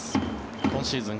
今シーズン